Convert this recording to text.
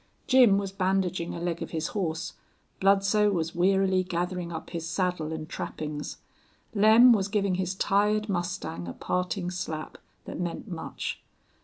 Jim was bandaging a leg of his horse; Bludsoe was wearily gathering up his saddle and trappings; Lem was giving his tired mustang a parting slap that meant much.